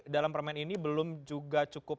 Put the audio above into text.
dalam permen ini belum juga cukup